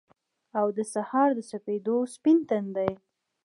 او دسهار دسپیدو ، سپین تندی